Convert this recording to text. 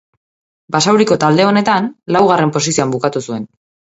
Basauriko talde honetan, laugarren posizioan bukatu zuen.